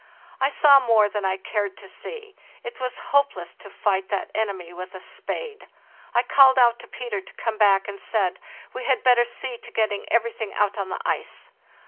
I saw more than I cared to see; it was hopeless to fight that enemy with a spade. I called out to Peter to come back, and said, 'We had better see to getting everything out on to the ice.